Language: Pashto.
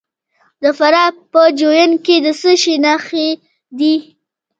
د فراه په جوین کې د څه شي نښې دي؟